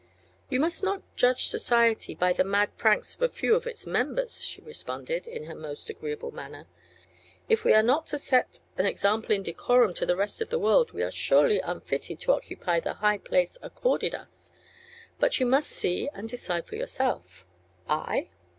"You must not judge society by the mad pranks of a few of its members," she responded, in her most agreeable manner. "If we are not to set an example in decorum to the rest of the world we are surely unfitted to occupy the high place accorded us. But you must see and decide for yourself." "I?